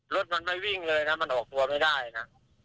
รถมันไม่วิ่งเลยนะมันออกตัวไม่ได้นะ